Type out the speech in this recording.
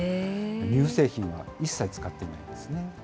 乳製品は一切使ってないんですね。